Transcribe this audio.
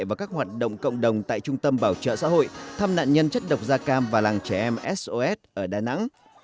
và các hoạt động cộng đồng tại trung tâm bảo trợ xã hội thăm nạn nhân chất độc da cam và làng trẻ em sos ở đà nẵng